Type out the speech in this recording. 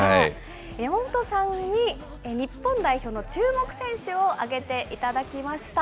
山本さんに日本代表の注目選手を挙げていただきました。